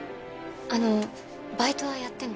あのバイトはやっても？